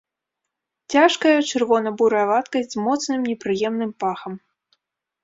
Цяжкая чырвона-бурая вадкасць з моцным непрыемным пахам.